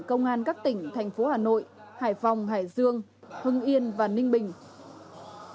công an các tỉnh thành phố hà nội hải phòng hải dương hưng yên và ninh bình